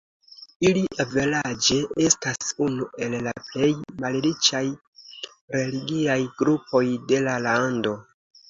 Ili averaĝe estas unu el la plej malriĉaj religiaj grupoj de la lando.